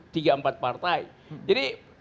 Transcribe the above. tiga empat partai jadi